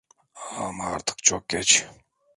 Ama artık çok geç.